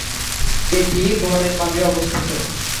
এটি বনের মাঝে অবস্থিত।